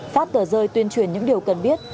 phát tờ rơi tuyên truyền những điều cần biết